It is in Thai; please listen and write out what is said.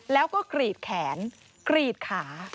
แล้วก็กรีดแขนกรีดขา